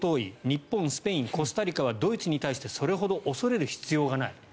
日本、スペイン、コスタリカはドイツに対してそれほど恐れる必要がない。